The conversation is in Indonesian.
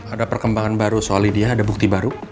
ada perkembangan baru soal lydia ada bukti baru